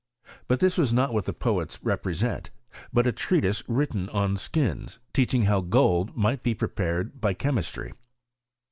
But this was not what the poets represent, but a treatise written on skins (^ipfiaac), teaching how gold might be prepared by chemistry.